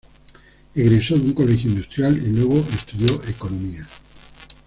Egresó de un colegio industrial y luego estudió Economía.